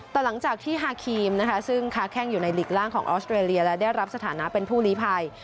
แต่หลังจากที่ฮาครีมนะคะซึ่งค้าแข้งอยู่ในหลีกล่างของออสเตรเลียและได้รับสถานะเป็นผู้ลีภัย